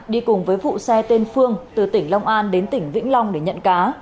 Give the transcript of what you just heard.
đi cùng với vụ xe tên phương từ tỉnh long an đến tỉnh vĩnh long để nhận cá